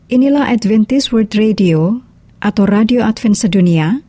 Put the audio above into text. inilah adventist world radio atau radio advent sedunia